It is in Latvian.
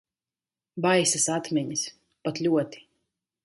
Baisas atmiņas. Pat ļoti.